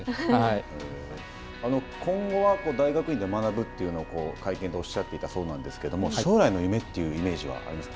今後は大学院で学ぶというのを会見でおっしゃっていたそうなんですけれども将来の夢というのはありますか。